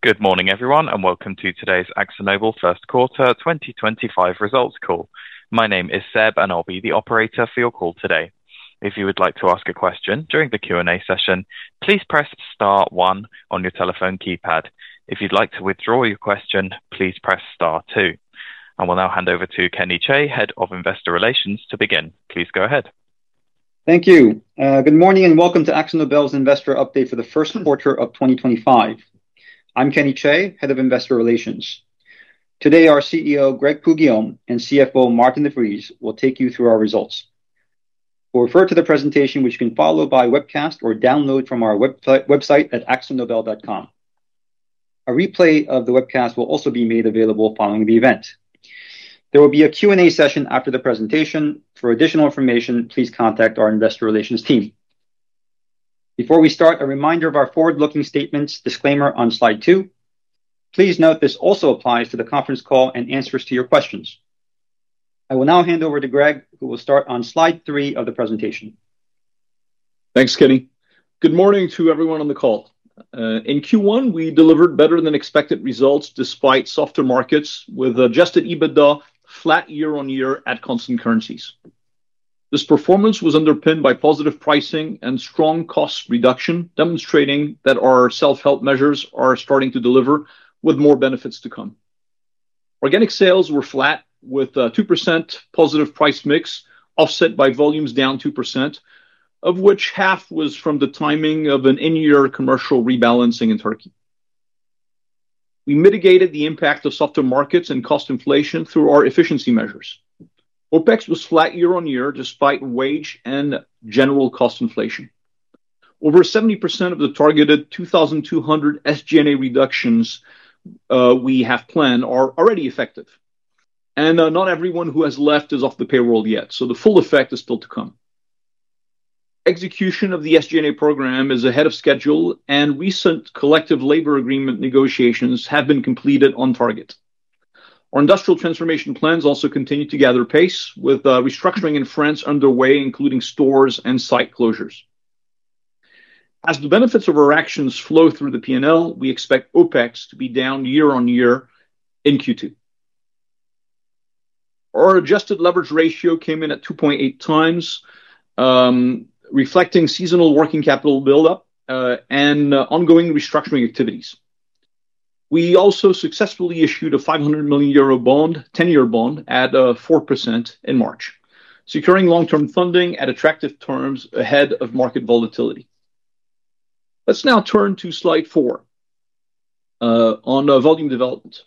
Good morning everyone and welcome to today's AkzoNobel first quarter 2025 results call. My name is Seb and I'll be the operator for your call today. If you would like to ask a question during the Q&A session, please press star one on your telephone keypad. If you'd like to withdraw your question, please press star two and we'll now hand over to Kenny Chae, Head of Investor Relations, to begin. Please go ahead. Thank you. Good morning and welcome to AkzoNobel's investor update for the first quarter of 2025. Kenny, I'm Kenny Chae, Head of Investor Relations. Today our CEO Greg Poux-Guillaume and CFO Maarten de Vries will take you through our results. Refer to the presentation which you can follow by webcast or download from our website at akzonobel.com. A replay of the webcast will also be made available following the event. There will be a Q&A session after the presentation. For additional information, please contact our Investor Relations team. Before we start, a reminder of our forward looking statements. Disclaimer on Slide 2. Please note this also applies to the conference call and answers to your questions. I will now hand over to Greg who will start on Slide 3 of the presentation. Thanks Kenny. Good morning to everyone on the call. In Q1 we delivered better than expected results despite softer markets with adjusted EBITDA flat year-on-year at constant currencies. This performance was underpinned by positive pricing and strong cost reduction, demonstrating that our self help measures are starting to deliver with more benefits to come. Organic sales were flat with 2% positive price/mix offset by volumes down 2%, of which half was from the timing of an in year commercial rebalancing in Turkey. We mitigated the impact of softer markets and cost inflation through our efficiency measures. OpEx was flat year-on-year despite wage and general cost inflation. Over 70% of the targeted 2,200 SG&A reductions we have planned are already effective and not everyone who has left is off the payroll yet, so the full effect is still to come. Execution of the SG&A program is ahead of schedule and recent collective labor agreement negotiations have been completed on target. Our industrial transformation plans also continue to gather pace with restructuring in France underway including stores and site closures. As the benefits of our actions flow through the P&L, we expect OpEx to be down year-on-year. In Q2, our adjusted leverage ratio came in at 2.8x reflecting seasonal working capital buildup and ongoing restructuring activities. We also successfully issued an €500 million 10-year bond at 4% in March, securing long-term funding at attractive terms ahead of market volatility. Let's now turn to Slide 4 on volume development.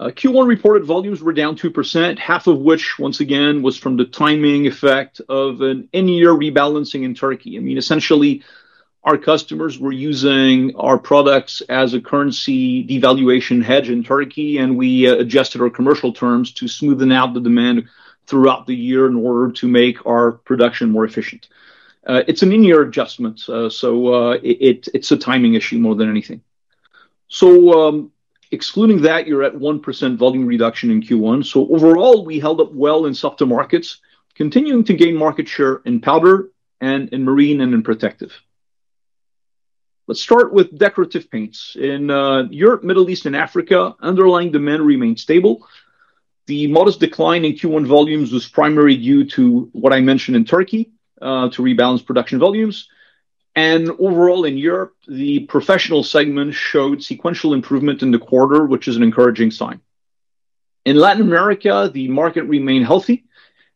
Q1 reported volumes were down 2%, half of which once again was from the timing effect of an in-year rebalancing in Turkey. I mean, essentially our customers were using our products as a currency devaluation hedge in Turkey, and we adjusted our commercial terms to smoothen out the demand throughout the year in order to make our production more efficient. It is an in-year adjustment, so it is a timing issue more than anything. Excluding that, you are at 1% volume reduction in Q1. Overall, we held up well in softer markets, continuing to gain market share in powder and in Marine and in Protective. Let's start with Decorative Paints. In Europe, Middle East and Africa, underlying demand remained stable. The modest decline in Q1 volumes was primarily due to what I mentioned in Turkey to rebalance production volumes. Overall in Europe, the professional segment showed sequential improvement in the quarter, which is an encouraging sign. In Latin America, the market remained healthy.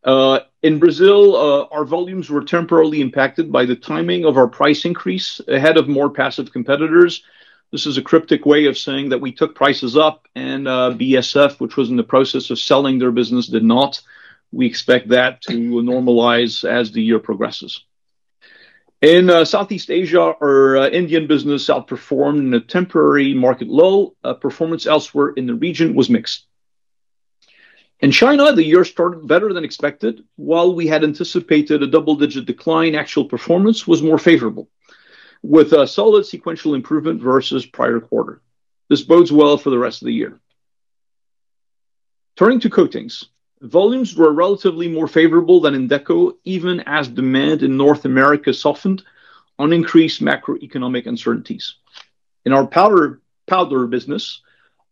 In Brazil, our volumes were temporarily impacted by the timing of our price increase ahead of more passive competitors. This is a cryptic way of saying that we took prices up and BASF, which was in the process of selling their business, did not. We expect that to normalize as the year progresses. In Southeast Asia, our Indian business outperformed a temporary market. Low performance elsewhere in the region was mixed. In China, the year started better than expected. While we had anticipated a double digit decline, actual performance was more favorable with a solid sequential improvement versus prior quarter. This bodes well for the rest of the year. Turning to Coatings, volumes were relatively more favorable than in Deco even as demand in North America softened on increased macroeconomic uncertainties. In our Powder business,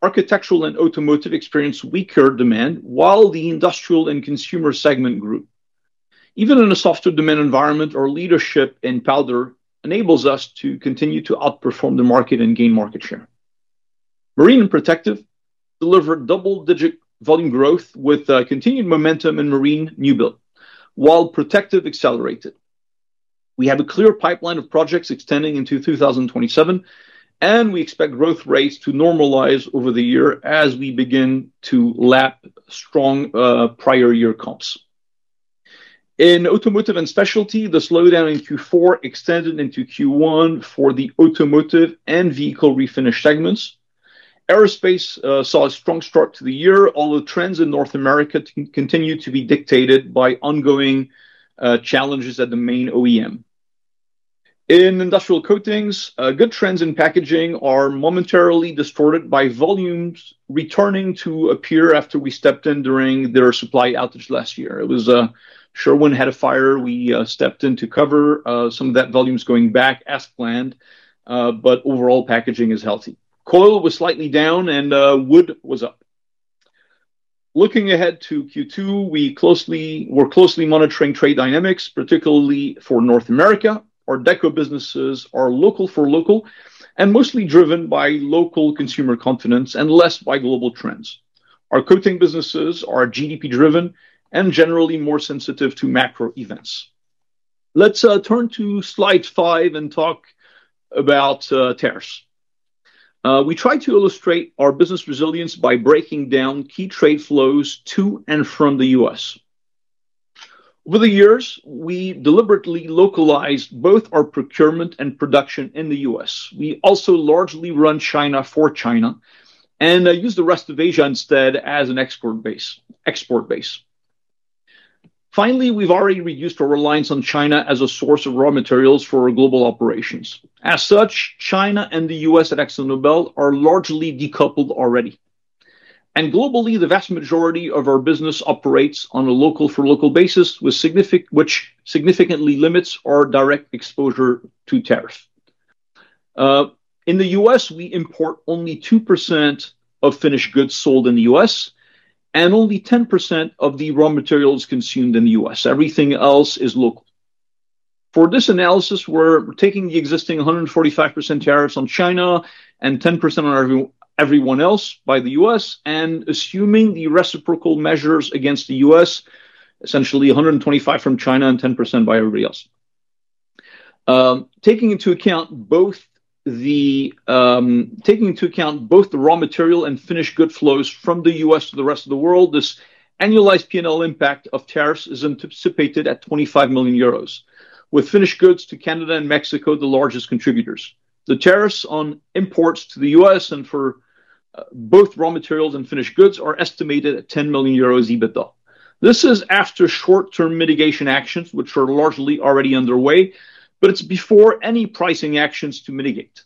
architectural and automotive experienced weaker demand while the industrial and consumer segment grew. Even in a softer demand environment, our leadership in powder enables us to continue to outperform the market and gain market share. Marine and Protective delivered double-digit volume growth with continued momentum in Marine new build while Protective accelerated. We have a clear pipeline of projects extending into 2027, and we expect growth rates to normalize over the year as we begin to lap strong prior year comps in automotive and specialty. The slowdown in Q4 extended into Q1 for the Automotive and Vehicle Refinish segments. Aerospace saw a strong start to the year, although trends in North America continue to be dictated by ongoing challenges at the main OEM. In Industrial Coatings, good trends in Packaging are momentarily distorted by volumes returning to AkzoNobel after we stepped in during their supply outage last year. It was Sherwin-Williams that had a fire. We stepped in to cover some of that volumes going back as planned, but overall Packaging is healthy. Coil was slightly down and Wood was up. Looking ahead to Q2, we're closely monitoring trade dynamics, particularly for North America. Our Deco businesses are local for local and mostly driven by local consumer confidence and less by global trends. Our Coatings businesses are GDP driven and generally more sensitive to macro events. Let's turn to Slide 5 and talk about tariffs. We try to illustrate our business resilience by breaking down key trade flows to and from the U.S. Over the years, we deliberately localized both our procurement and production in the U.S. We also largely run China for China and use the rest of Asia instead as an export base. Finally, we've already reduced our reliance on China as a source of raw materials for global operations. As such, China and the U.S. at AkzoNobel are largely decoupled already. And globally the vast majority of our business operates on a local for local basis, which significantly limits our direct exposure to tariff. In the U.S. we import only 2% of finished goods sold in the U.S. and only 10% of the raw materials consumed in the U.S. Everything else is local. For this analysis, we're taking the existing 145% tariffs on China and 10% on everyone else by the U.S. and assuming the reciprocal measures against the U.S., essentially 125% from China and 10% by everybody else, taking into account both the raw material and finished good flows from the U.S. to the rest of the world. This annualized P&L impact of tariffs is anticipated at €25 million, with finished goods to Canada and Mexico the largest contributors. The tariffs on imports to the U.S. and for both raw materials and finished goods are estimated at €10 million EBITDA. This is after short-term mitigation actions, which are largely already underway, but it's before any pricing actions to mitigate.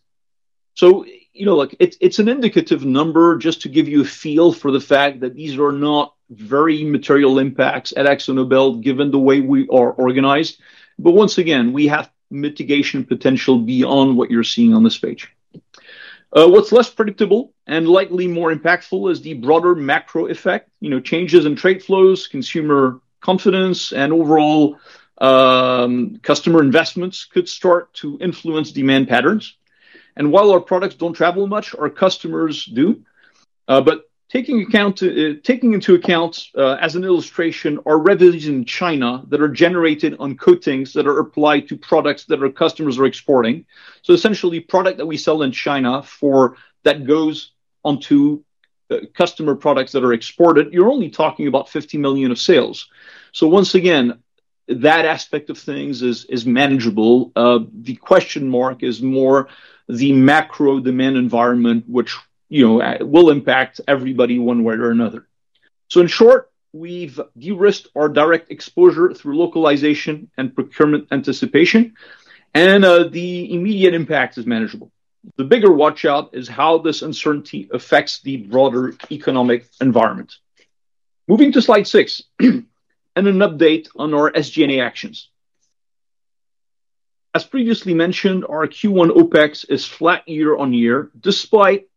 So it's an indicative number just to give you a feel for the fact that these are not very material impacts at AkzoNobel, given the way we are organized. Once again we have mitigation potential beyond what you're seeing on this page. What's less predictable and likely more impactful is the broader macro effect. Changes in trade flows, consumer confidence and overall customer investments could start to influence demand patterns. While our products don't travel much, our customers do. Taking into account as an illustration, our revenues in China that are generated on coatings that are applied to products that our customers are exporting. Essentially, product that we sell in China that goes onto customer products that are exported, you're only talking about €50 million of sales. Once again, that aspect of things is manageable. The question mark is more the macro demand environment which will impact everybody one way or another. In short, we've de-risked our direct exposure through localization and procurement anticipation and the immediate impact is manageable. The bigger watch out is how this uncertainty affects the broader economic environment. Moving to Slide 6 and an update on our SG&A actions. As previously mentioned, our Q1 OpEx is flat year-on-year despite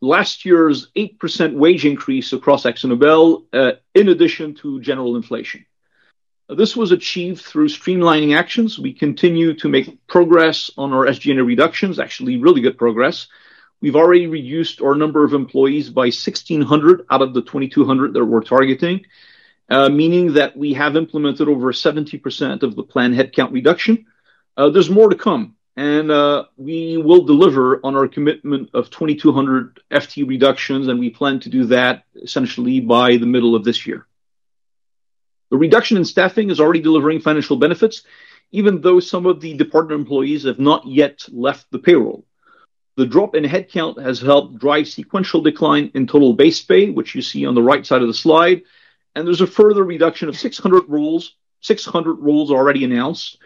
last year's 8% wage increase across AkzoNobel, in addition to general inflation. This was achieved through streamlining actions. We continue to make progress on our SG&A reductions. Actually, really good progress. We've already reduced our number of employees by 1,600 out of the 2,200 that we're targeting, meaning that we have implemented over 70% of the planned headcount reduction. There's more to come and we will deliver on our commitment of 2,200 FTE reductions and we plan to do that essentially by the middle of this year. The reduction in staffing is already delivering financial benefits even though some of the department employees have not yet left the payroll. The drop in headcount has helped drive sequential decline in total base pay which you see on the right side of the slide. There's a further reduction of 600 roles already announced,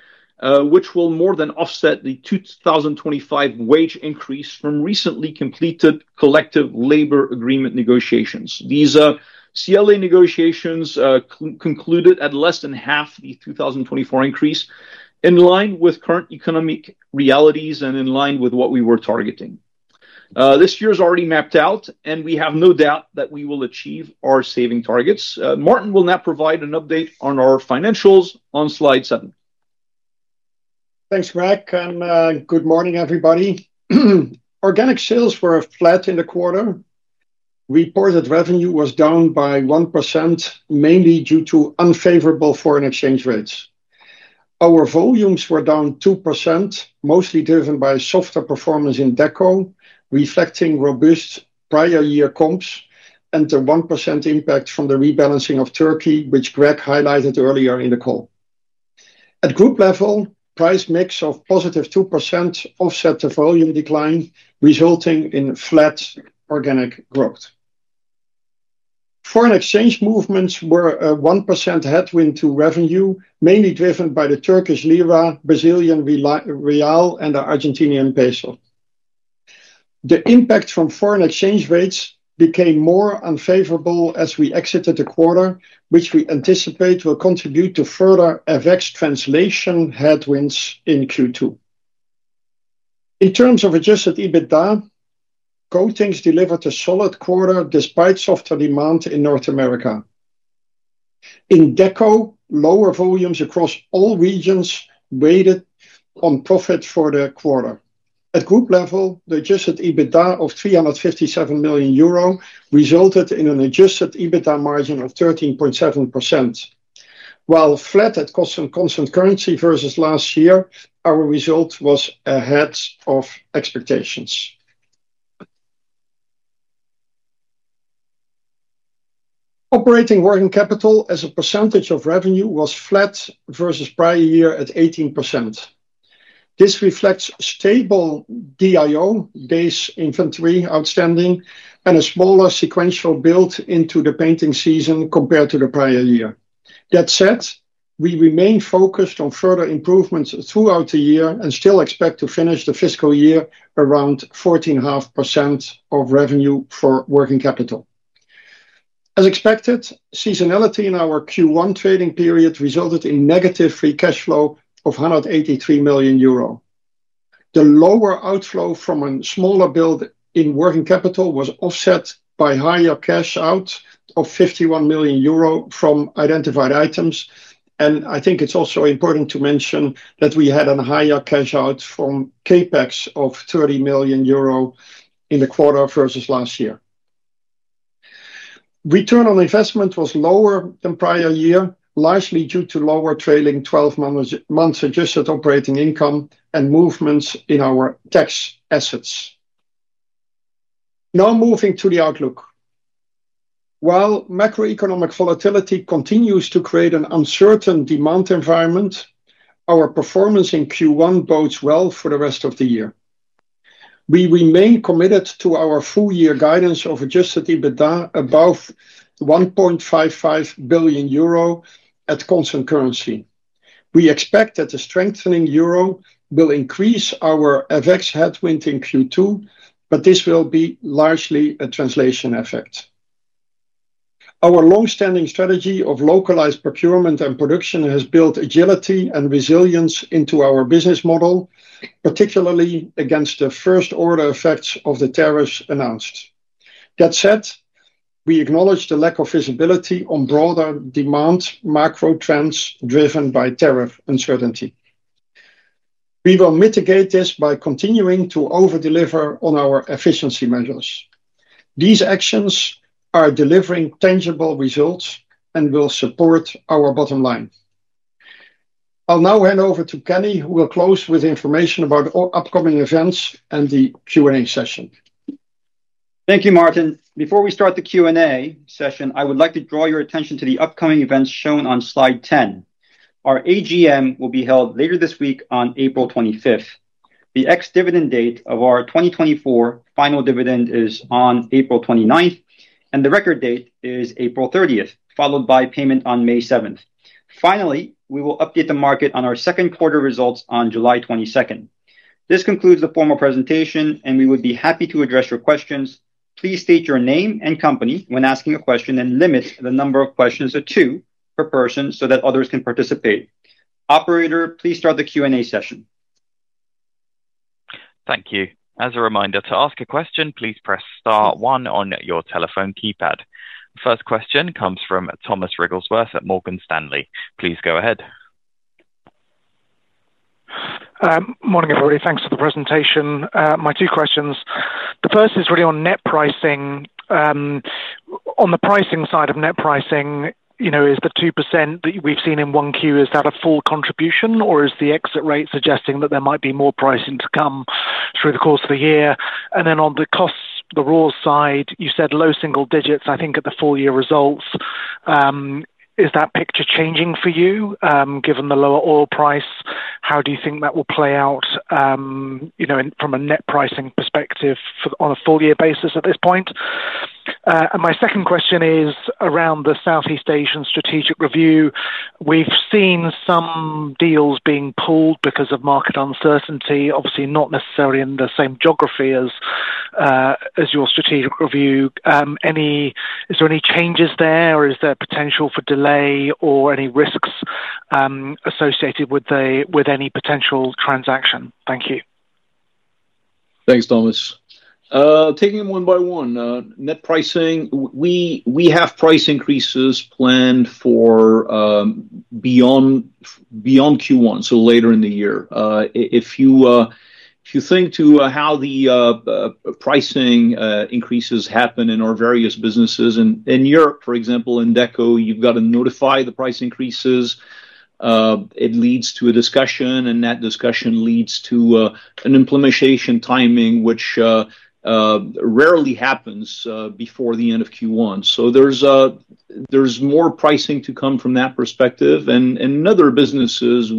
which will more than offset the 2025 wage increase from recently completed collective labor agreement negotiations. These CLA negotiations concluded at less than half the 2024 increase, in line with current economic realities and in line with what we were targeting. This year is already mapped out and we have no doubt that we will achieve our saving targets. Maarten will now provide our Financials on Slide 7. Thanks Greg and good morning everybody. Organic sales were flat in the quarter. Reported revenue was down by 1%, mainly due to unfavorable foreign exchange rates. Our volumes were down 2%, mostly driven by softer performance in Deco, reflecting robust prior year comps and the 1% impact from the rebalancing of Turkey, which Greg highlighted earlier in the call. At group level, price mix of positive 2% offset the volume decline, resulting in flat organic growth. Foreign exchange movements were a 1% headwind to revenue, mainly driven by the Turkish Lira, Brazilian Real and the Argentinian Peso. The impact from foreign exchange rates became more unfavorable as we exited the quarter, which we anticipate will contribute to further FX translation headwinds in Q2. In terms of adjusted EBITDA, Coatings delivered a solid quarter despite softer demand in North America. In Deco, lower volumes across all regions weighed on profit for the quarter. At group level, the adjusted EBITDA of €357 million resulted in an adjusted EBITDA margin of 13.7%. While flat at constant currency versus last year, our result was ahead of expectations. Operating working capital as a percentage of revenue was flat versus prior year at 18%. This reflects stable days inventory outstanding and a smaller sequential build into the painting season compared to the prior year. That said, we remain focused on further improvements throughout the year and still expect to finish the fiscal year around 14.5% of revenue for working capital. As expected, seasonality in our Q1 trading period resulted in negative free cash flow of €183 million. The lower outflow from a smaller build in working capital was offset by higher cash out of €51 million from identified items. I think it's also important to mention that we had a higher cash out from CapEx of €30 million in the quarter versus last year. Return on investment was lower than prior year largely due to lower trailing 12 months adjusted operating income and movements in our tax assets. Now moving to the outlook, while macroeconomic volatility continues to create an uncertain demand environment, our performance in Q1 bodes well for the rest of the year. We remain committed to our full year guidance of adjusted EBITDA above €1.55 billion at constant currency. We expect that the strengthening Euro will increase our FX headwind in Q2, but this will be largely a translation effect. Our long standing strategy of localized procurement and production has built agility and resilience into our business model particularly against the first order effects of the tariffs announced. That said, we acknowledge the lack of visibility on broader demand macro trends driven by tariff uncertainty. We will mitigate this by continuing to over deliver on our efficiency measures. These actions are delivering tangible results and will support our bottom line. I'll now hand over to Kenny who will close with information about upcoming events and the Q&A session. Thank you Maarten. Before we start the Q&A session, I would like to draw your attention to the upcoming events shown on Slide 10. Our AGM will be held later this week on April 25th. The ex-dividend date of our 2024 final dividend is on April 29th and the record date is April 30th followed by payment on May 7th. Finally, we will update the market on our second quarter results on July 22nd. This concludes the formal presentation and we would be happy to address your questions. Please state your name and company when asking a question and limit the number of questions or two per person so that others can participate. Operator, please start the Q&A session. Thank you. As a reminder to ask a question, please press Star one on your telephone keypad. First question comes from Thomas Wrigglesworth at Morgan Stanley. Please go ahead. Morning everybody. Thanks for the presentation. My two questions, the first is really on net pricing. On the pricing side of net pricing, you know, is the 2% that we've seen in 1Q, is that a full contribution or is the exit rate suggesting that there might be more pricing to come through the course of the year? And then on the costs, the raw side, you said low single digits, I think at the full year results, is that picture changing for you? Given the lower oil price, how do you think that will play out from a net pricing perspective on a full year basis at this point? My second question is around the Southeast Asian strategic review. We've seen some deals being pulled because of market uncertainty, obviously not necessarily in the same geography as your strategic review. Is there any changes there or is there potential for delay or any risks associated with any potential transaction? Thank you. Thanks, Thomas. Taking them one by one. Net pricing. We have price increases planned for beyond Q1. Later in the year, if you think to how the pricing increases happen in our various businesses in Europe, for example, in Deco, you have to notify the price increases. It leads to a discussion and that discussion leads to an implementation timing which rarely happens before the end of Q1. There is more pricing to come from that perspective. In other businesses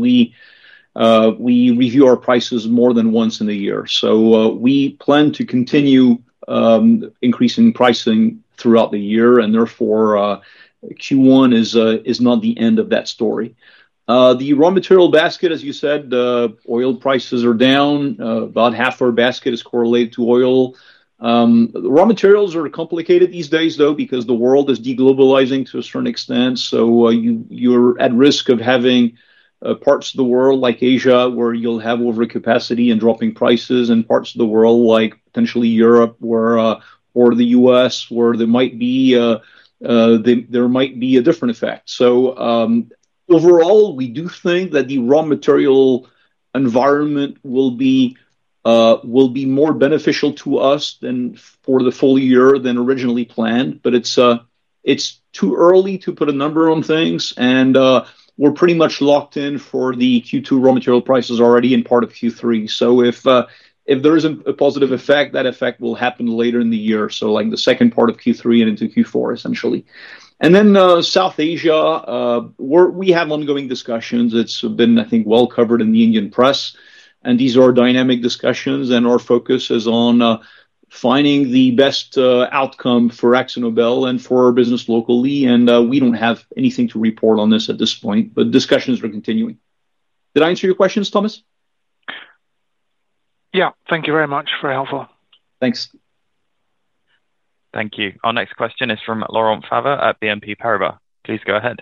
we review our prices more than once in a year. We plan to continue increasing pricing throughout the year. Therefore Q1 is not the end of that story. The raw material basket, as you said, oil prices are down. About half our basket is correlated to oil. Raw materials are complicated these days though, because the world is de-globalizing to a certain extent. You're at risk of having parts of the world like Asia where you'll have overcapacity and dropping prices, and parts of the world like potentially Europe or the U.S. where there might be a different effect. Overall, we do think that the raw material environment will be more beneficial to us for the full year than originally planned. It's too early to put a number on things and we're pretty much locked in for the Q2 raw material prices already and part of Q3. If there is a positive effect, that effect will happen later in the year, like the second part of Q3 and into Q4 essentially. South Asia, we have ongoing discussions. It's been, I think, well covered in the Indian press. These are dynamic discussions and our focus is on finding the best outcome for AkzoNobel and for our business locally. We do not have anything to report on this at this point, but discussions are continuing. Did I answer your questions, Thomas? Yeah. Thank you very much. Very helpful. Thanks. Thank you. Our next question is from Laurent Favre at BNP Paribas. Please go ahead.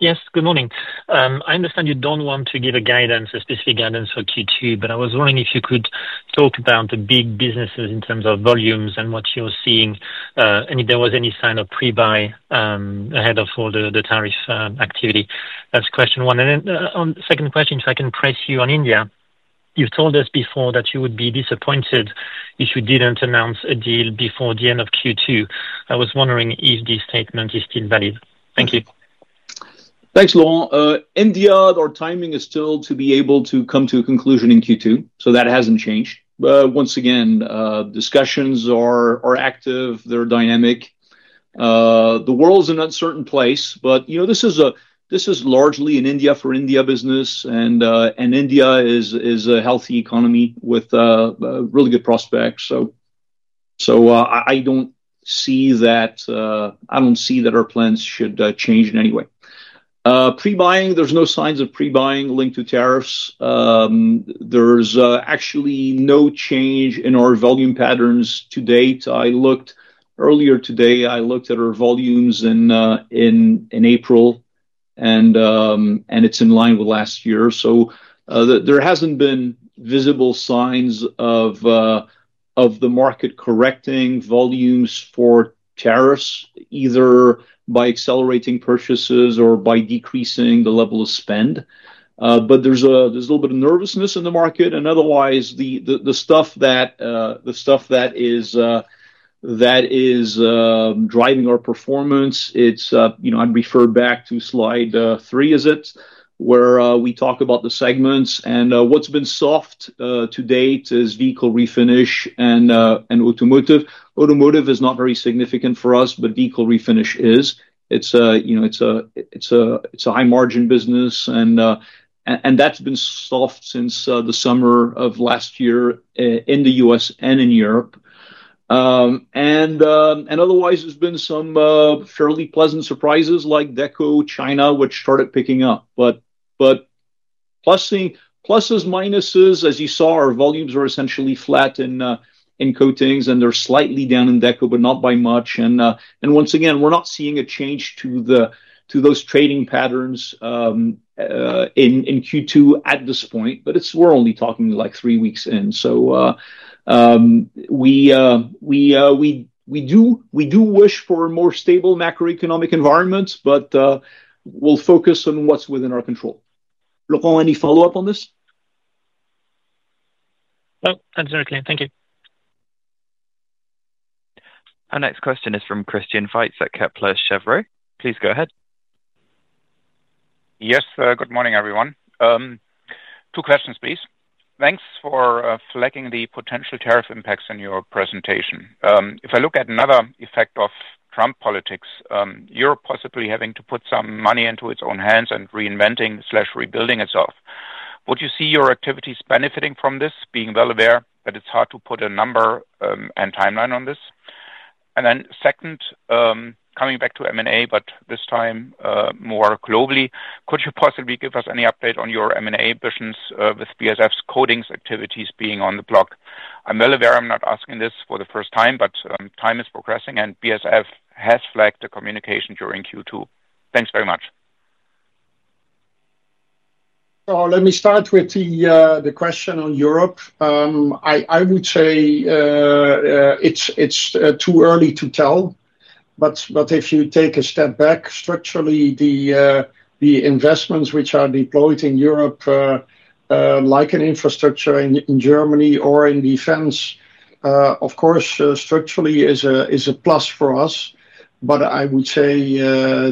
Yes, good morning. I understand you do not want to give a guidance, a specific guidance for Q2, but I was wondering if you could talk about the big businesses in terms of volumes and what you are seeing and if there was any sign of pre buying ahead of all the tariff activity. That is question one. And then second question, if I can press you on India, you have told us before that you would be disappointed if you did not announce a deal before the end of Q2. I was wondering if this statement is still valid. Thank you. Thanks, Laurent. India, our timing is still to be able to come to a conclusion in Q2, so that has not changed. Once again, discussions are active, they are dynamic. The world is an uncertain place. You know, this is largely an India for India business and India is a healthy economy with really good prospects. I do not see that our plans should change in any way. Pre buying. There are no signs of pre buying linked to tariffs. There is actually no change in our volume patterns to date. I looked earlier today, I looked at our volumes in April and it is in line with last year. There have not been visible signs of the market correcting volumes for tariffs, either by accelerating purchases or by decreasing the level of spend. There is a little bit of nervousness in the market and otherwise the stuff that is driving our performance. It's, you know, I would refer back to Slide 3. It is where we talk about the segments and what has been soft to date is vehicle refinish and automotive. Automotive is not very significant for us, but vehicle refinish is, you know, it's a high margin business. That has been soft since the summer of last year in the U.S. and in Europe. Otherwise, there have been some fairly pleasant surprises, like Deco China, which started picking up, but pluses, minuses, as you saw, our volumes are essentially flat in coatings and they are slightly down in Deco, but not by much. Once again, we're not seeing a change to those trading patterns in Q2 at this point, but we're only talking like three weeks in. We do wish for a more stable macroeconomic environment, but we'll focus on what's within our control. Laurent, any follow up on this? That's very clear. Thank you. Our next question is from Christian Faitz at Kepler Cheuvreux. Please go ahead. Yes, good morning everyone. Two questions, please. Thanks for flagging the potential tariff impacts in your presentation. If I look at another effect of Trump politics, Europe possibly having to put some money into its own hands and reinventing, rebuilding itself, would you see your activities benefiting from this? Being well aware that it's hard to put a number and timeline on this. Then second, coming back to M&A, but this time more globally, could you possibly give us any update on your discussions with BASF's Coatings activities being on the block? I'm well aware, I'm not asking this for the first time, but time is progressing and BASF has flagged the communication during Q2. Thanks very much. Let me start with the question on Europe. I would say it's too early to tell, but if you take a step back, structurally, the investments which are deployed in Europe, like infrastructure in Germany or in defense, of course, structurally is a plus for us. I would say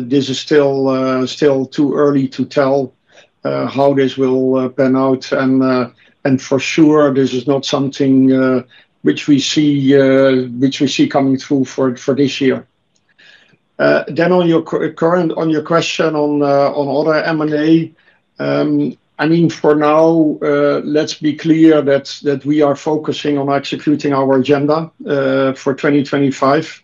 this is still too early to tell how this will pan out. For sure this is not something which we see coming through for this year. On your question on other M&A, I mean, for now, let's be clear that we are focusing on executing our agenda for 2025.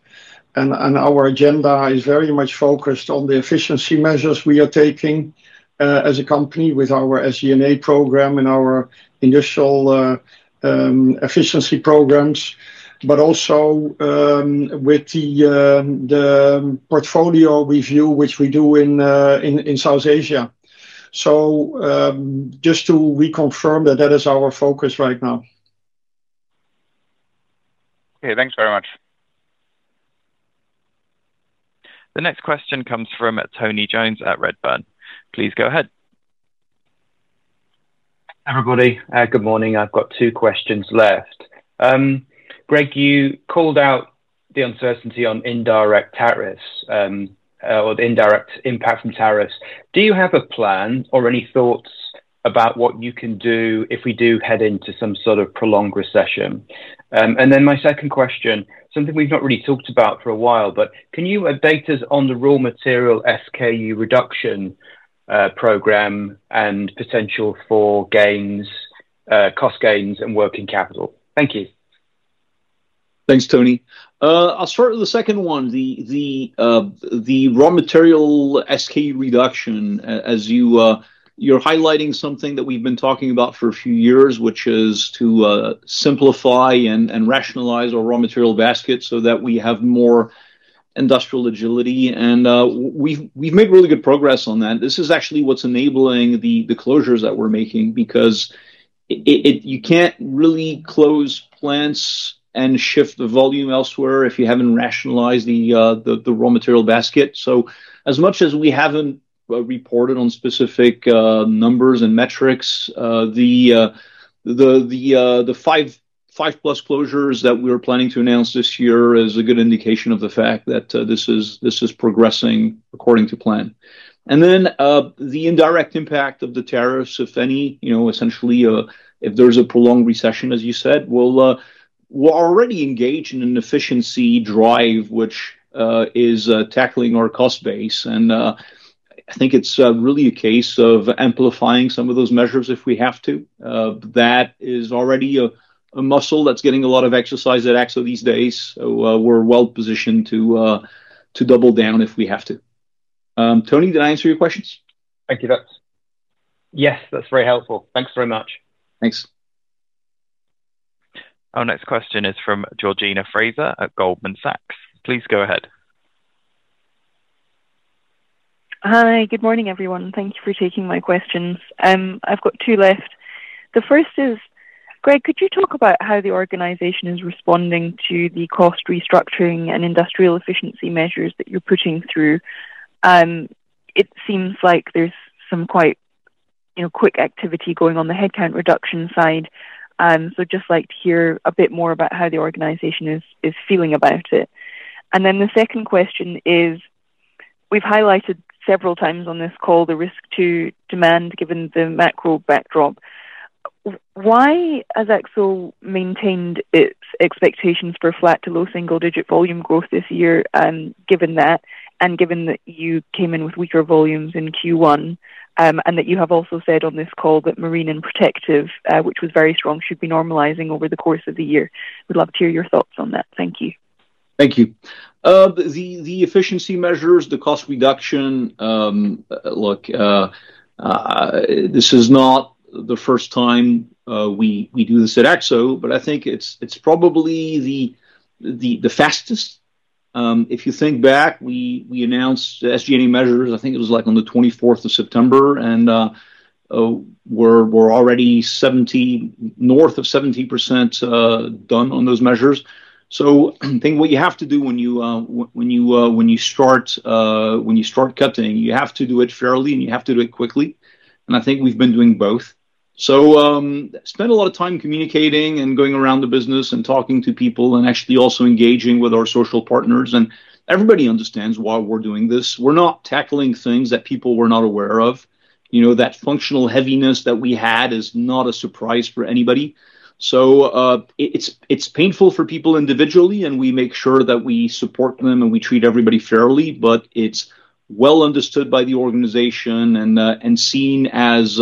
Our agenda is very much focused on the efficiency measures we are taking as a company with our SG&A program and our initial efficiency programs, but also with the portfolio review which we do in South Asia. Just to reconfirm that, that is our focus right now. Okay, thanks very much. The next question comes from Tony Jones at Redburn. Please go ahead. Everybody, good morning. I've got two questions left. Greg, you called out the uncertainty on indirect tariffs or the indirect impact from tariffs. Do you have a plan or any thoughts about what you can do if we do head into some sort of prolonged recession? My second question, something we've not really talked about for a while, but can you update us on the raw material SKU reduction program and potential for gains, cost gains and working capital? Thank you. Thanks, Tony. I'll start with the second one, the raw material SKU reduction as you're highlighting something that we've been talking about for a few years, which is to simplify and rationalize our raw material basket so that we have more industrial agility and we've made really good progress on that. This is actually what's enabling the closures that we're making because you can't really close plants and shift the volume elsewhere if you haven't rationalized the raw material basket. As much as we haven't reported on specific numbers and metrics, the five-plus closures that we are planning to announce this year is a good indication of the fact that this is progressing according to plan and then the indirect impact of the tariffs, if any. You know, essentially if there's a prolonged recession, as you said. We are already engaged in an efficiency drive which is tackling our cost base and I think it is really a case of amplifying some of those measures if we have to. That is already a muscle that is getting a lot of exercise at AkzoNobel these days. We are well positioned to double down if we have to. Tony, did I answer your questions? Thank you. Yes, that's very helpful. Thanks very much. Thanks. Our next question is from Georgina Fraser at Goldman Sachs. Please go ahead. Hi, good morning everyone. Thank you for taking my questions. I've got two left. The first is Greg, could you talk about how the organization is responding to the cost restructuring and industrial efficiency measures that you're putting. It seems like there's some quite quick activity going on the headcount reduction side. So I'd just like to hear a bit more about how the organization is feeling about it. The second question is we've highlighted several times on this call the risk to demand. Given the macro backdrop, why has AkzoNobel maintained its expectations for flat to low single digit volume growth this year? Given that and given you came in with weaker volumes in Q1 and that you have also said on this call that Marine and Protective, which was very strong, should be normalizing over the course of the year. We'd love to hear your thoughts on that. Thank you. Thank you. The efficiency measures, the cost reduction. Look, this is not the first time we do this at AkzoNobel, but I think it's probably the fastest. If you think back, we announced SG&A measures. I think it was like on the 24th of September and we're already north of 70% done on those measures. I think what you have to do when you start cutting, you have to do it fairly and you have to do it quickly. I think we've been doing both. So I spend a lot of time communicating and going around the business and talking to people and actually also engaging with our social partners and everybody understands why we're doing this. We're not tackling things that people were not aware of. That functional heaviness that we had is not a surprise for anybody. It's painful for people individually and we make sure that we support them and we treat everybody fairly. It's well understood by the organization and seen as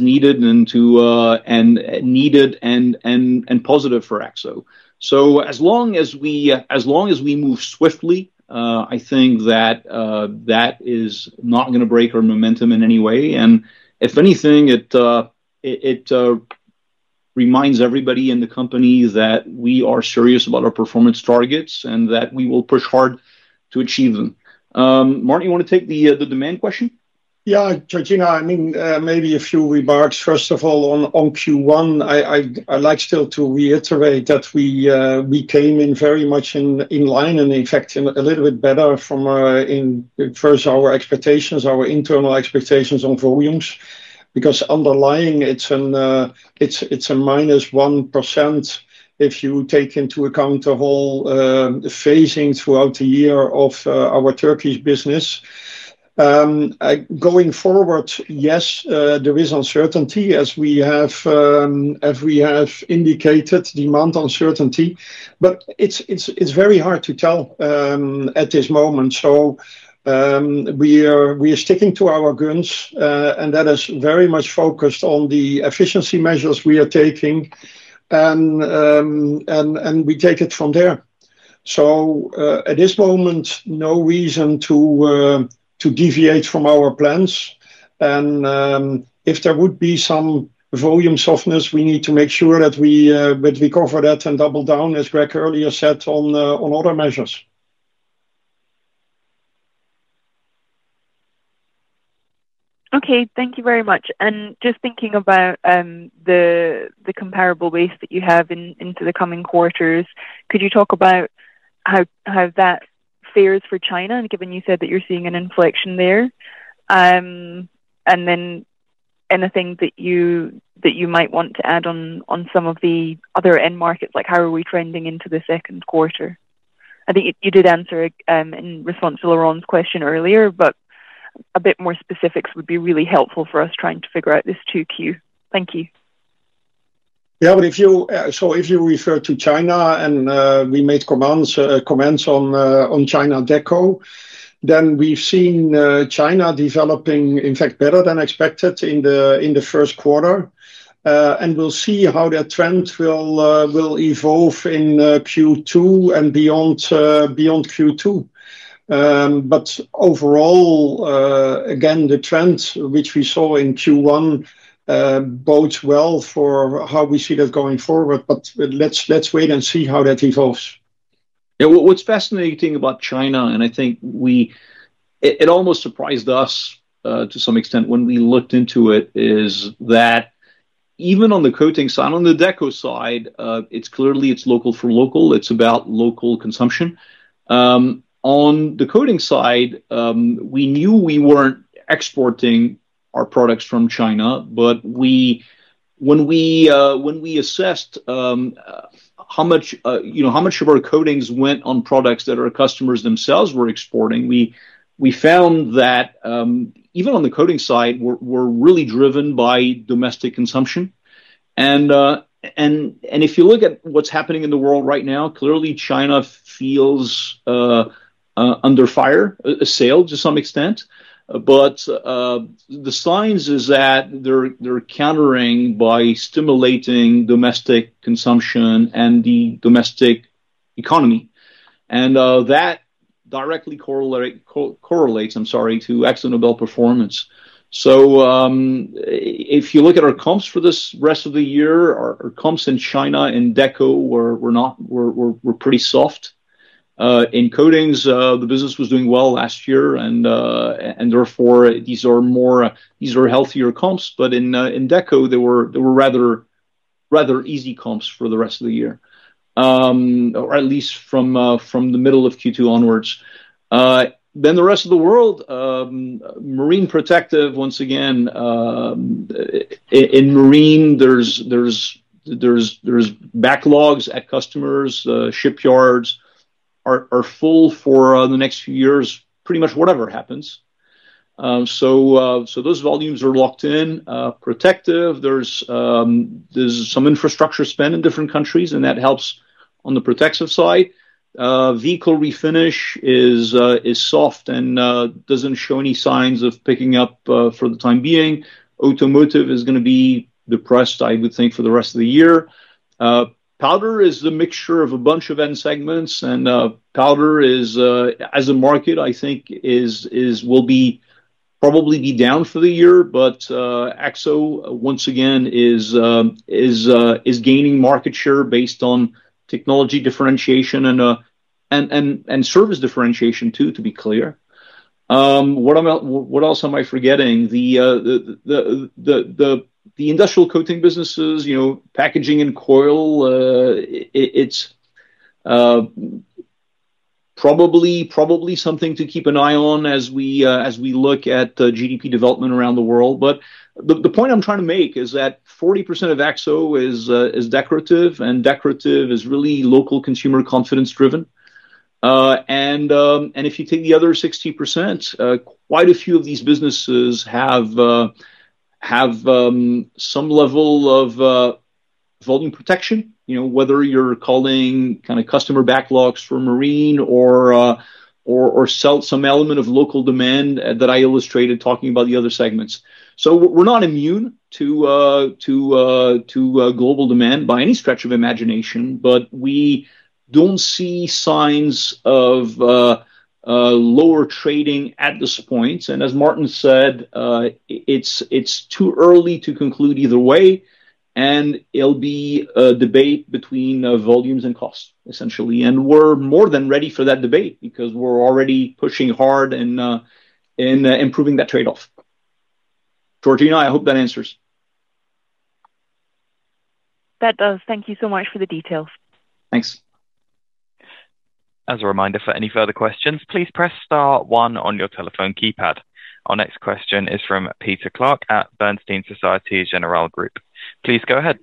needed and positive for experts. As long as we move swiftly, I think that is not going to break our momentum in any way and if anything it reminds everybody in the company that we are serious about our performance targets and that we will push hard to achieve them. Maarten, you want to take the demand question? Yeah. Georgina, I mean maybe a few remarks. First of all on Q1, I like still to reiterate that we came much in line and in fact a little bit better from in first our expectations, our internal expectations on volumes because underlying it's a minus 1% if you take into account the whole phasing throughout the year of our Turkey's business going forward. Yes, there is uncertainty as we have indicated, demand uncertainty but it's very hard to tell at this moment. We are sticking to our guns and that is very much focused on the efficiency measures we are taking and we take it from there. At this moment no reason to deviate from our plans, and if there would be some volume softness, we need to make sure that we cover that and double down, as Greg earlier said, on other measures. Okay, thank you very much. Just thinking about the comparable waste that you have into the coming quarters, could you talk about how that fares for China, given you said that you're seeing an inflection there and then anything that you might want to add on some of the other end markets, like how are we trending into the second quarter? I think you did answer in response to Laurent's question earlier, but a bit more specifics would be really helpful for us trying to figure out this 2Q. Thank you. Yeah. If you refer to China and we made comments on China, that comment then we've seen China developing in fact better than expected in the first quarter. We'll see how that trend will evolve in Q2 and beyond, beyond Q2. Overall, again the trend which we saw in Q1 bodes well for how we see that going forward. Let's wait and see how that evolves. What's fascinating about China, and I think it almost surprised us to some extent when we looked into it, is that even on the coating side, on the Deco side, it's clearly, it's local for local, it's about local consumption. On the coating side we knew we weren't exporting our products from China, but when we assessed how much of our coatings went on products that our customers themselves were exporting, we found that even on the coating side we're really driven by domestic consumption. If you look at what's happening in the world right now, clearly China feels under fire sale to some extent. The signs are that they're countering by stimulating domestic consumption and the domestic economy and that directly correlates, I'm sorry, to AkzoNobel performance. If you look at our comps for the rest of the year, our comps in China and Deco were pretty soft. In Coatings the business was doing well last year and therefore these are healthier comps, but in Deco they were rather easy comps for the rest of the year or at least from the middle of Q2 onwards, then the rest of the world. Marine Protective, once again in Marine there's backlogs at customers, shipyards are full for the next few years pretty much whatever happens. Those volumes are locked in. Protective, there's some infrastructure spend in different countries and that helps. On the Protective side, vehicle refinish is soft and does not show any signs of picking up for the time being. Automotive is going to be depressed, I would think, for the rest of the year. Powder is the mixture of a bunch of end segments and powder as a market I think will probably be down for the year. AkzoNobel once again is gaining market share based on technology differentiation and service differentiation too. To be clear, what else am I forgetting? The industrial coating businesses, packaging and coil, it's probably something to keep an eye on as we look at GDP development around the world. The point I'm trying to make is that 40% of AkzoNobel is Decorative and Decorative is really local consumer confidence driven. If you take the other 60%, quite a few of these businesses have some level of volume protection whether you're calling customer backlogs for Marine or some element of local demand that I illustrated talking about the other segments. We're not immune to global demand by any stretch of imagination. We do not see signs of lower trading at this point and as Maarten said, it is too early to conclude either way and it will be a debate between volumes and costs essentially. We are more than ready for that debate because we are already pushing hard and improving that trade-off. Georgina, I hope that answers. That does. Thank you so much for the details. Thanks. As a reminder, for any further questions, please press star 1 on your telephone keypad. Our next question is from Peter Clark at Bernstein - Societe Generale Group. Please go ahead.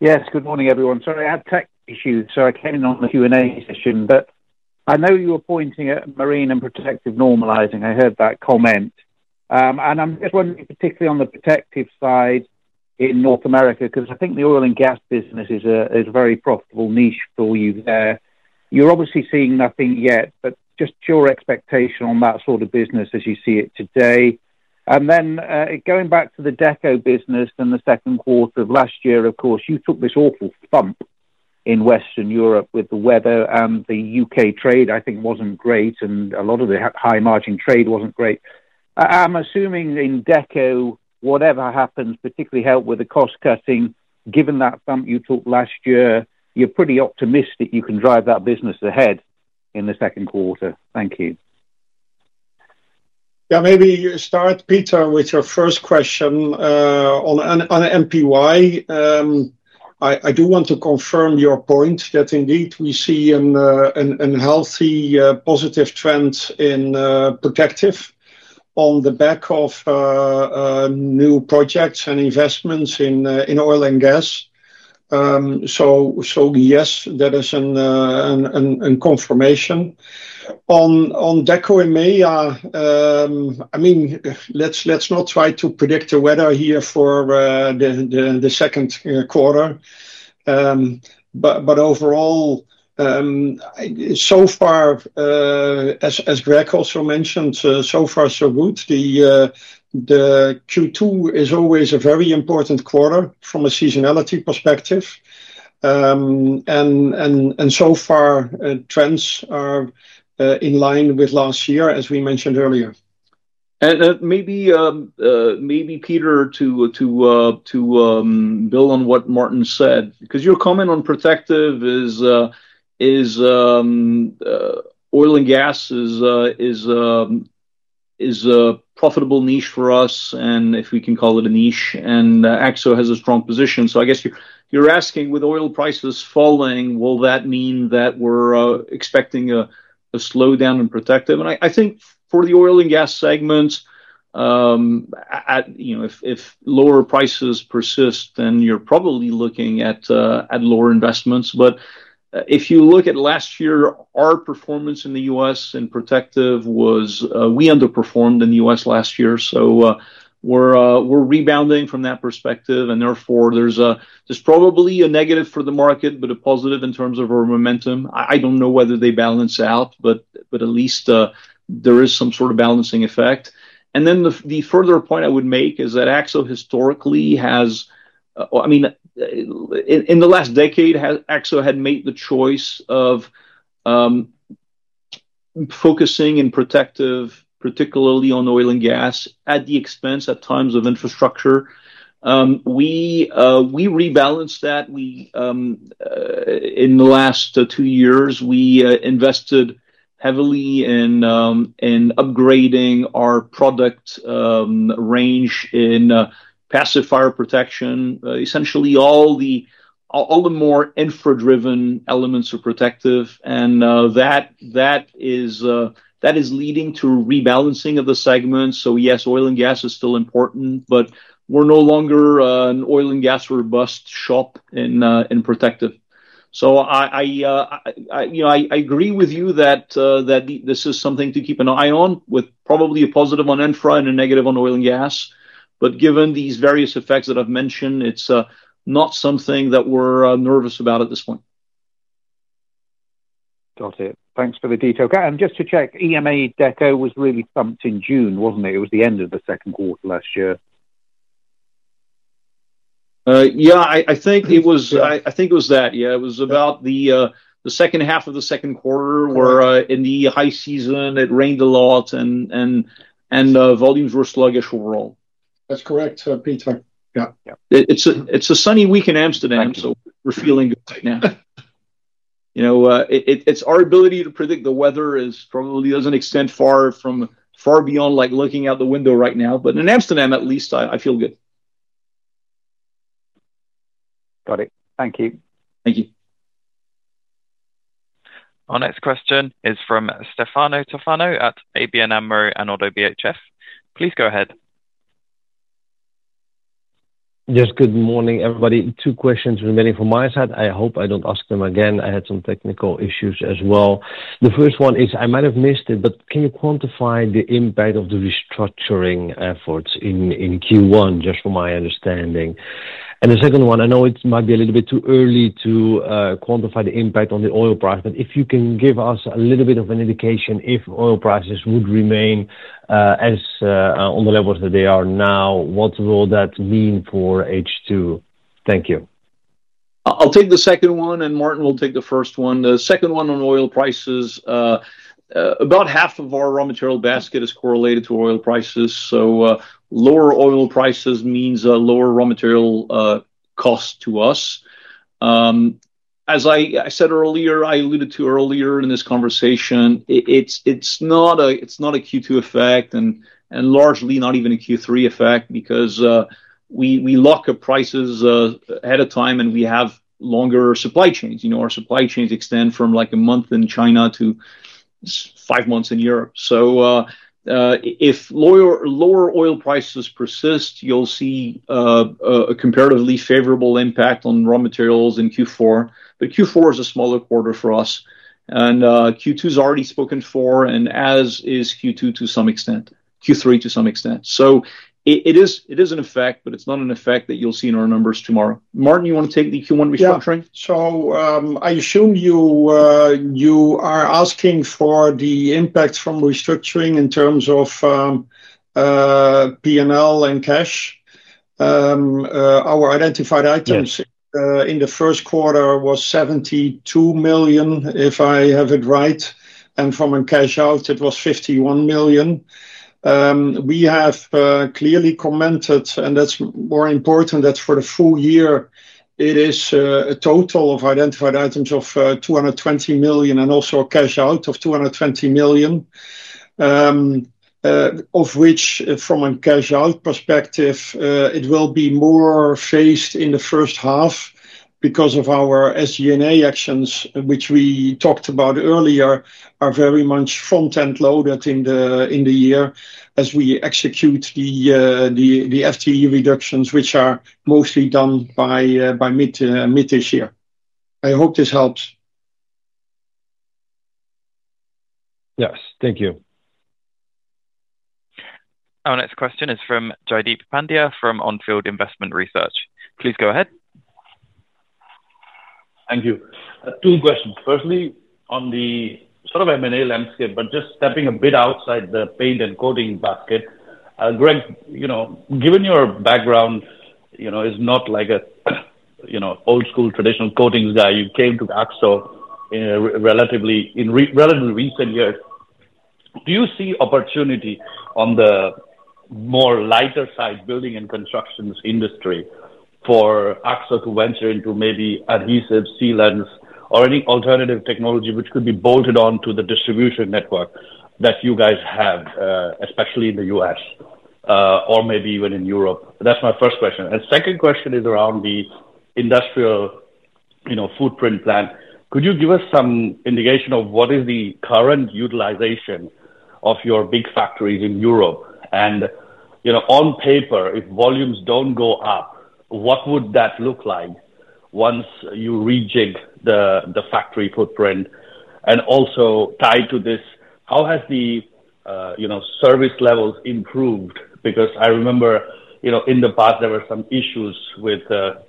Yes, good morning everyone. Sorry I had tech issues so I came in on the Q&A session but I know you were pointing at Marine and Protective normalizing. I heard that comment and I'm just wondering particularly on the Protective side in North America, because I think the Oil and Gas business is a very profitable niche for you there. You're obviously seeing nothing yet but just your expectation on that sort of business as you see it today. Going back to the Deco business in the second quarter of last year, of course you took this awful thing thump in Western Europe with the weather and the U.K. trade I think was not great and a lot of the high margin trade was not great. I am assuming in Deco, whatever happens particularly helps with the cost cutting. Given that thump you took last year, you are pretty optimistic you can drive that business ahead in the second quarter. Thank you. Yeah, maybe start, Peter, with your first question on MPY. I do want to confirm your point that indeed we see a healthy positive trend in Protective on the back of new projects and investments in Oil and Gas. Yes, that is a confirmation. On Deco EMEA, I mean, let's not try to predict the weather here for the second quarter. But overall, As Greg also mentioned, so far so good. Q2 is always a very important quarter from a seasonality perspective and so far trends are in line with last year as we mentioned earlier. Maybe, Peter, to build on what Maarten said, because your comment on Protective is Oil and Gas is a profitable niche for us, if we can call it a niche, and AkzoNobel has a strong position. I guess you're asking, with oil prices falling, will that mean that we're expecting a slowdown in Protective? I think for the Oil and Gas segments, if lower prices persist, then you're probably looking at lower investments. If you look at last year, our performance in the U.S. in Protective was, we underperformed in the U.S. last year. We're rebounding from that perspective and therefore there's probably a negative for the market, but a positive in terms of our momentum. I don't know whether they balance out, but at least there is some sort of balancing effect. The further point I would make is that AkzoNobel historically has, I mean in the last decade AkzoNobel had made the choice of focusing in Protective, particularly on Oil and Gas at the expense at times of infrastructure. We rebalanced that. In the last two years we invested heavily in upgrading our product range in passive fire protection. Essentially all the more infra driven elements are Protective and that is leading to rebalancing of the segments. Yes, Oil and Gas is still important, but we are no longer an Oil and Gas robust shop in Protective. I agree with you that this is something to keep an eye on with probably a positive on infra and a negative on Oil and Gas. Given these various effects that I have mentioned, it is not something that we are nervous about at this point. Got it. Thanks for the detail. Just to check, EMEA Deco was really thumped in June, wasn't it? It was the end of the second quarter last year. Yeah, I think it was. I think it was that. Yeah, it was about the second half of the second quarter where in the high season it rained a lot and volumes were sluggish overall. That's correct, Peter. Yeah, it's a, it's a sunny week in Amsterdam, so we're feeling good right now. You know, our ability to predict the weather probably doesn't extend far beyond like looking out the window right now, but in Amsterdam at least I feel good. Got it. Thank you. Thank you. Our next question is from Stefano Toffano at ABN AMRO and ODDO BHF, please go ahead. Yes. Good morning everybody. Two questions remaining from my side. I hope I don't ask them again. I had some technical issues as well. The first one is I might have missed it, but can you quantify the impact of the restructuring efforts in Q1? Just from my understanding. And the second one, I know it might be a little bit too early to quantify the impact on the oil price, but if you can give us a little bit of an indication if oil prices would remain as on the levels that they are now, what will that mean for H2? Thank you. I'll take the second one. Maarten will take the first one, the second one on oil prices. About half of our raw material basket is correlated to oil prices. Lower oil prices means lower raw material cost to us. As I said earlier, I alluded to earlier in this conversation, it's not a Q2 effect and largely not even a Q3 effect because we lock up prices ahead of time and we have longer supply chains. Our supply chains extend from a month in China to five months in Europe. If lower oil prices persist, you'll see a comparatively favorable impact on raw materials in Q4. Q4 is a smaller quarter for us and Q2 is already spoken for and as is Q2 to some extent. Q3 to some extent. It is an effect, but it's not an effect that you'll see in our numbers tomorrow. Maarten, you want to take the Q1 restructuring. I assume you are asking for the impact from restructuring in terms of P&L and cash. Our identified items in the first quarter was €72 million if I have it right. From a cash out it was €51 million. We have clearly commented, and that's more important, that for the full year it is a total of identified items of €220 million and also a cash out of €220 million, of which from a cash out perspective, it will be more phased in the first half because of our SG&A actions which we talked about earlier are very much front end loaded in the year as we execute the FTE reductions which are mostly done by mid this year. I hope this helps. Yes, thank you. Our next question is from Jaideep Pandya from On Field Investment Research. Please go ahead. Thank you. Two questions. Firstly on the sort of M&A landscape, but just stepping a bit outside the paint and coating basket. Greg, you know, given your background, you know, is not like a, you know, old school traditional coatings guy. You came to AkzoNobel relatively, in relatively recent years. Do you see opportunity on the more lighter side building and constructions industry for AkzoNobel to venture into maybe adhesives, sealants or any alternative technology which could be bolted on to the distribution network that you guys have, especially in the US or maybe even in Europe? That's my first question. Second question is around the industrial footprint plant. Could you give us some indication of what is the current utilization of your big factories in Europe? You know, on paper, if volumes don't go up, what would that look like once you rejig the factory footprint? Also tied to this, how have the, you know, service levels improved? Because I remember, you know, in the past there were some issues with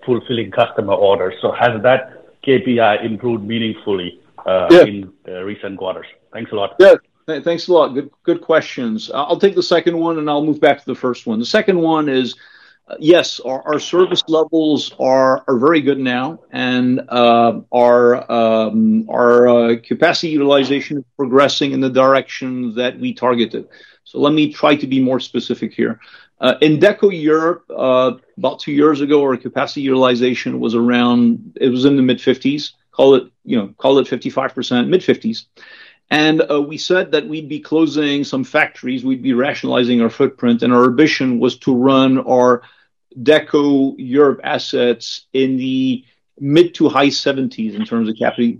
fulfilling customer orders. Has that KPI improved meaningfully in recent quarters? Thanks a lot. Yeah, thanks a lot. Good questions. I'll take the second one and I'll move back to the first one. The second one is, yes, our service levels are very good now. Are our capacity utilization progressing in the direction that we targeted? Let me try to be more specific here. In Deco Europe, about two years ago, our capacity utilization was around. It was in the mid-50s, call it 55% mid-50s. We said that we'd be closing some factories, we'd be rationalizing our footprint, and our ambition was to run our Deco Europe assets in the mid to high 70s. In terms of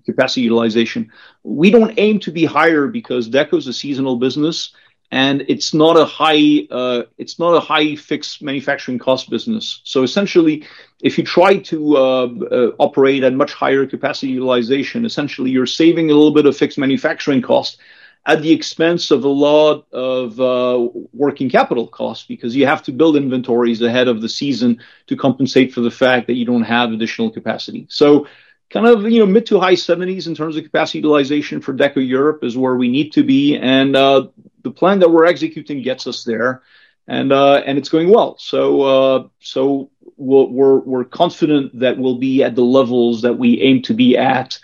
capacity utilization, we don't aim to be higher because Deco is a seasonal business and it's not a high fixed manufacturing cost business. Essentially, if you try to operate at much higher capacity utilization, essentially you're saving a little bit of fixed manufacturing cost at the expense of a lot of working capital costs because you have to build inventories ahead of the season to compensate for the fact that you don't have additional capacity. Kind of, you know, mid to high 70s in terms of capacity utilization for Deco Europe is where we need to be. The plan that we're executing gets us there, and it's going well. We're confident that we'll be at the levels that we aim to be at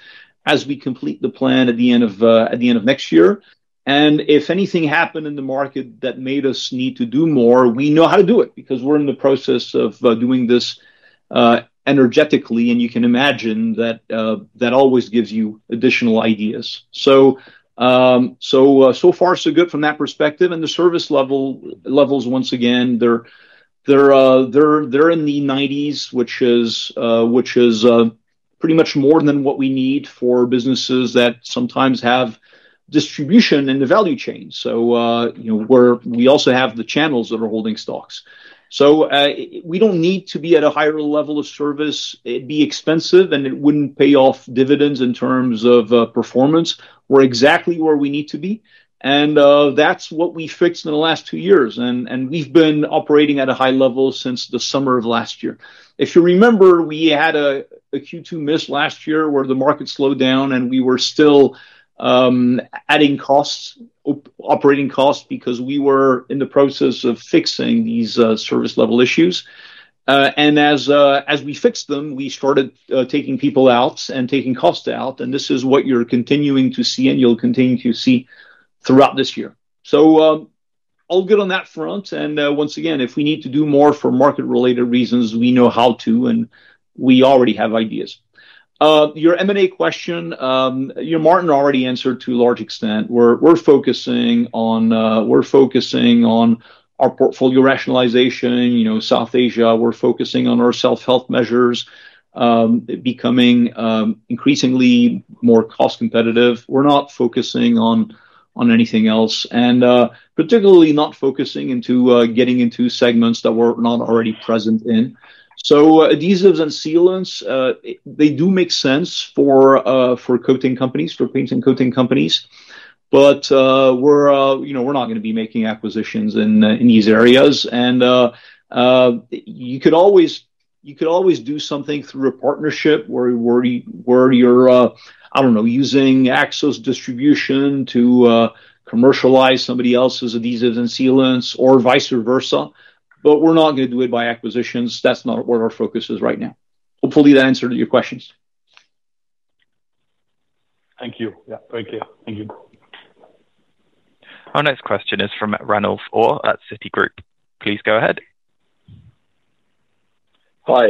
as we complete the plan at the end of next year. If anything happened in the market that made us need to do more, we know how to do it because we're in the process of doing this energetically. You can imagine that that always gives you additional ideas. So far, so good from that perspective. The service levels, once again, they're in the 90s, which is pretty much more than what we need for businesses that sometimes have distribution in the value chain. We also have the channels that are holding stocks. We don't need to be at a higher level of service. It would be expensive and it wouldn't pay off dividends. In terms of performance, we're exactly where we need to be. That's what we fixed in the last two years. We've been operating at a high level since the summer of last year. If you remember, we had a Q2 miss last year where the market slowed down and we were still adding costs, operating costs, because we were in the process of fixing these service level issues. As we fixed them, we started taking people out and taking cost out. This is what you're continuing to see and you'll continue to see throughout this year. All good on that front. Once again, if we need to do more for market related reasons, we know how to and we already have ideas. Your M&A question Maarten already answered. To a large extent, we're focusing on our portfolio rationalization, South Asia, we're focusing on our self help measures becoming increasingly more cost competitive. We're not focusing on anything else and particularly not focusing into getting into segments that we're not already present in. Adhesives and sealants, they do make sense for coating companies, for cleaning coating companies. We are not going to be making acquisitions in these areas. You could always do something through a partnership where you are, I do not know, using Akzo's distribution to commercialize somebody else's adhesives and sealants or vice versa. We are not going to do it by acquisitions. That is not where our focus is right now. Hopefully that answered your questions. Thank you. Yeah, thank you. Thank you. Our next question is from Ranulf Orr at Citigroup. Please go ahead. Hi.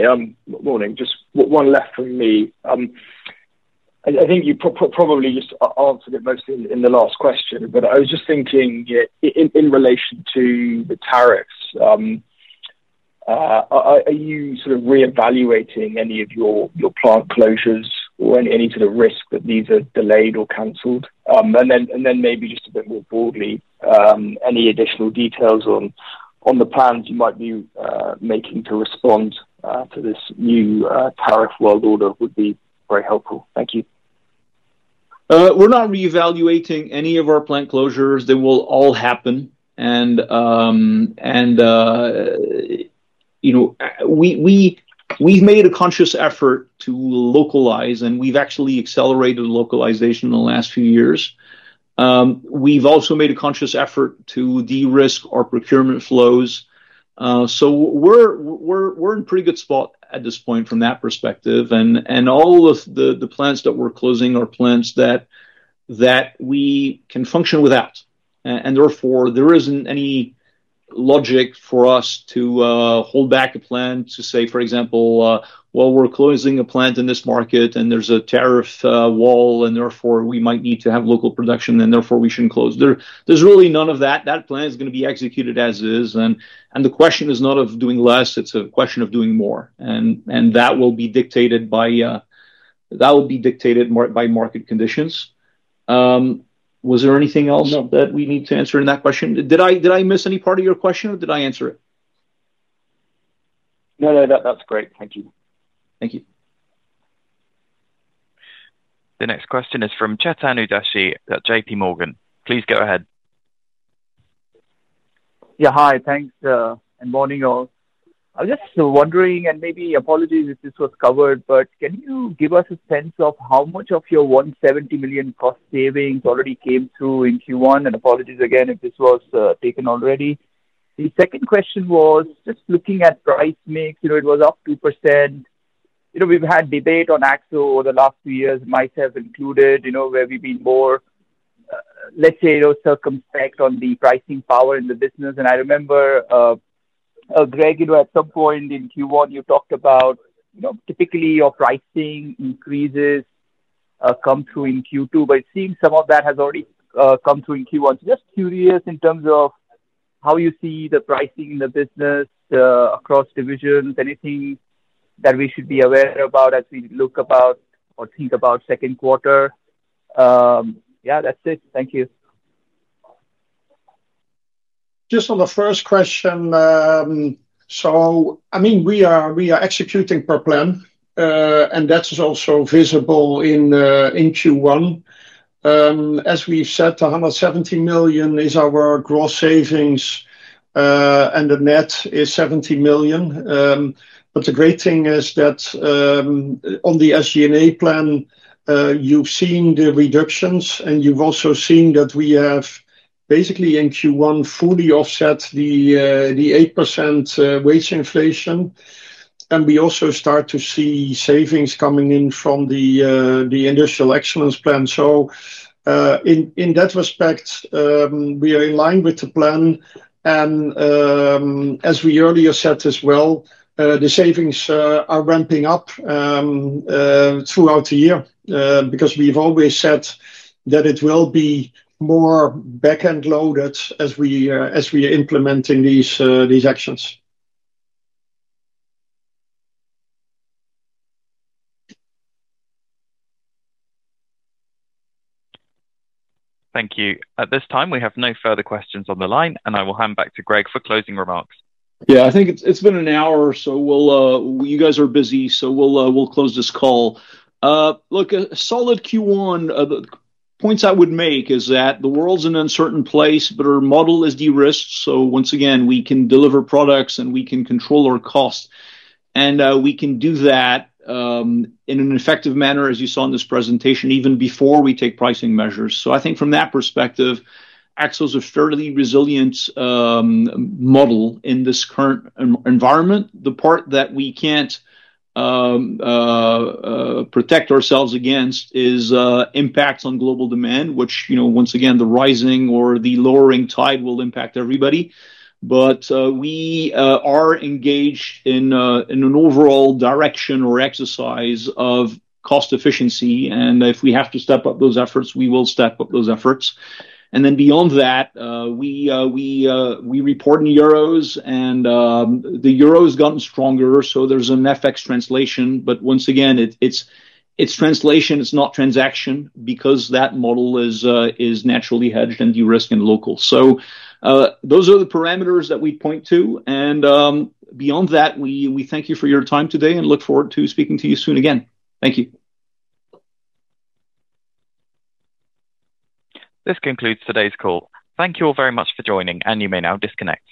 Morning. Just one left from me. I think you probably answered it mostly in the last question, but I was just thinking in relation to the tariffs, are you sort of reevaluating any of your plant closures or any sort of risk that these are delayed or cancelled? Maybe just a bit more broadly, any additional details on the plans you might be making to respond to this new tariff world order would be very helpful. Thank you. We're not reevaluating any of our plant closures. They will all happen. You know, we've made a conscious effort to localize and we've actually accelerated localization in the last few years. We've also made a conscious effort to de-risk our procurement flows. We're in a pretty good spot at this point from that perspective. All of the plants that we're closing are plants that we can function without. Therefore, there isn't any logic for us to hold back a plan to say, for example, we're closing a plant in this market and there's a tariff wall and therefore we might need to have local production and therefore we shouldn't close. There's really none of that. That plan is going to be executed as is. The question is not of doing less, it's a question of doing more. That will be dictated by market conditions. Was there anything else that we need to answer in that question? Did I miss any part of your question or did I answer it? No. That's great. Thank you. Thank you. The next question is from Chetan Udeshi, J.P. Morgan. Please go ahead. Yeah, hi. Thanks. And morning all. I was just wondering and maybe apologies if this was covered, but can you give us a sense of how much of your €170 million cost savings already came through in Q1? And apologies again if this was taken already. The second question was just looking at price mix, you know, it was up 2%. You know, we've had debate on AkzoNobel over the last few years, myself included, you know, where we've been more, let's say, you know, circumspect on the pricing power in the business. And I remember Greg, you know, at some point in Q1 you talked about, you know, typically your pricing increases come through in Q2, but seeing some of that has already come through in Q1. Just curious, in terms of how you see the pricing in the business across divisions, anything that we should be aware about as we look about or think about second quarter? Yeah, that's it. Thank you. Just on the first question, I mean we are executing per plan and that is also visible in Q1, as we've said, €170 million is our gross savings and the net is €70 million. The great thing is that on the SG&A plan you've seen the reductions and you've also seen that we have basically in Q1 fully offset the 8% wage inflation and we also start to see savings coming in from the Industrial Excellence plan. In that respect we are in line with the plan. As we earlier said as well, the savings are ramping up throughout the year because we've always said that it will be more back end loaded as we are implementing these actions. Thank you. At this time we have no further questions on the line and I will hand back to Greg for closing remarks. Yeah, I think it's been an hour so you guys are busy so we'll close this call. Look, a solid Q1 points I would make is that the world's an uncertain place, but our model is de-risked. Once again we can deliver products and we can control our cost and we can do that in an effective manner as you saw in this presentation, even before we take pricing measures. I think from that perspective, AkzoNobel is a fairly resilient model in this current environment. The part that we can't protect ourselves against is impacts on global demand, which, once again, the rising or the lowering tide will impact everybody. We are engaged in an overall direction or exercise of cost efficiency. If we have to step up those efforts, we will step up those efforts. We report in euros, and the euro has gotten stronger. There is an FX translation. Once again, it is translation, not transaction, because that model is naturally hedged and de-risked and local. Those are the parameters that we point to. Beyond that, we thank you for your time today and look forward to speaking to you soon again. Thank you. This concludes today's call. Thank you all very much for joining. You may now disconnect.